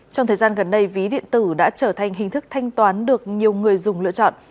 trong thời gian gần đây ví điện tử đã trở thành hình thức thanh toán được nhiều người dùng lựa chọn